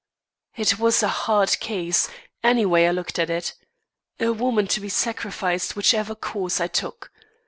It was a hard case, any way I looked at it. A woman to be sacrificed whichever course I took.